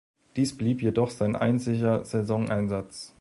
Dies blieb jedoch sein einziger Saisoneinsatz.